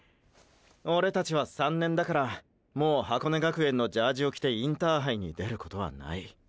オレたちは３年だからもう箱根学園のジャージを着てインターハイに出ることはない。